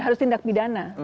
ya harus tindak pidana